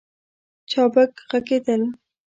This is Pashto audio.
چابک ږغېدل